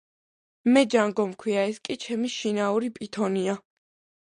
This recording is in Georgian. მე ჯანგო მქვია, ეს კი ჩემი შინაური პითონია.